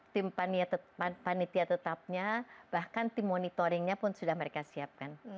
tim panitia tetapnya bahkan tim monitoringnya pun sudah mereka siapkan